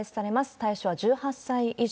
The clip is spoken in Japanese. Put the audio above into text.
対象は１８歳以上。